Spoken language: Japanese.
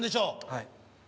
はい。